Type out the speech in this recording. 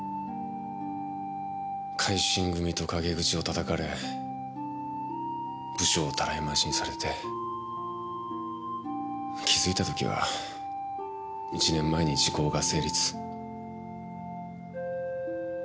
改心組と陰口をたたかれ部署をたらい回しにされて気づいた時は１年前に時効が成立。